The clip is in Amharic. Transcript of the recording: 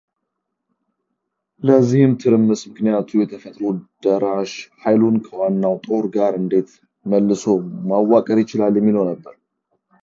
ለዚህም ትርምስ ምክንያቱ የፈጥኖ ደራሽ ኃይሉን ከዋናው ጦር ጋር እንዴት መልሶ ማዋቀር ይችላል የሚለው ነበር